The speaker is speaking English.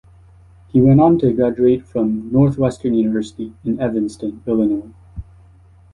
He went on to graduate from Northwestern University in Evanston, Illinois.